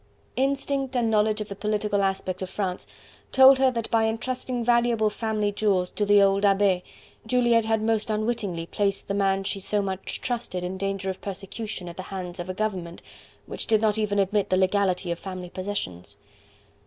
Instinct and knowledge of the political aspect of France told her that by entrusting valuable family jewels to the old Abbe, Juliette had most unwittingly placed the man she so much trusted in danger of persecution at the hands of a government which did not even admit the legality of family possessions.